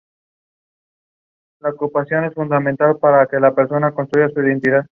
Grabaron un disco que finalmente no se publicó.